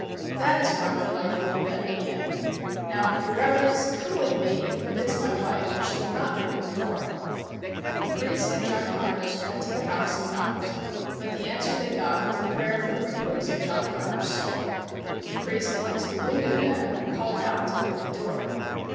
"That is why my wife wouldn't let me in. Now, your Reverence, come with me and convince my wife, or she will not open the door." The priest and John Connors went to the house and knocked, but the answer they got was a prayer for the repose of John Connors' soul. The priest went to the window then and called out to open the door.